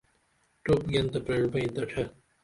ٹوپ گین تہ پریڜبئیں دڇھے